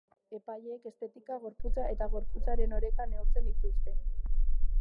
Epaileek estetika, gorputza eta gorputzaren oreka neurtzen dituzte.